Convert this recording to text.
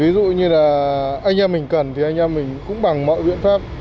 ví dụ như là anh em mình cần thì anh em mình cũng bằng mọi biện pháp